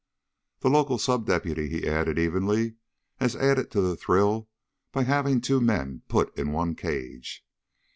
"The local sub deputy," he added evenly, "has added to the thrill by having the two men put in one cage.